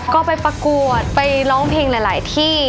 ก็ไปประกวดไปร้องเพลงหลายที่